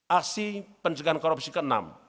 aksi pencegahan korupsi yang keenam